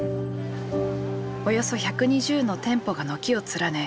およそ１２０の店舗が軒を連ね